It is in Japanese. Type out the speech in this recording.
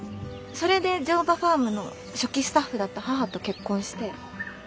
それで乗馬ファームの初期スタッフだった母と結婚して。